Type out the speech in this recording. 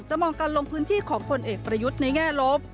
มองการลงพื้นที่ของผลเอกประยุทธ์ในแง่ลบ